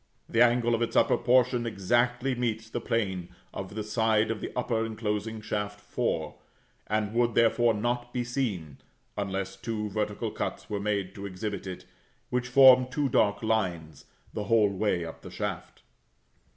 The angle of its upper portion exactly meets the plane of the side of the upper inclosing shaft 4, and would, therefore, not be seen, unless two vertical cuts were made to exhibit it, which form two dark lines the whole way up the shaft.